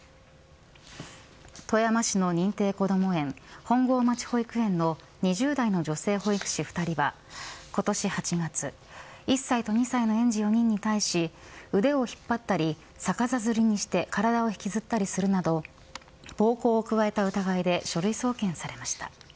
富山市の認定こども園本郷町保育園の２０代の女性保育士２人は今年８月１歳と２歳の園児４人に対し腕を引っ張ったり逆さづりにして体を引きずったりするなど暴行を加えた疑いで書類送検されました。